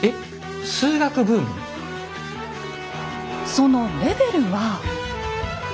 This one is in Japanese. そのレベルは。